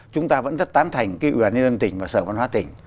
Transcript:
chúng ta vẫn rất tán thành cái ubnd tỉnh và sở văn hóa tỉnh